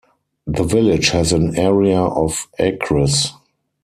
The village has an area of acres.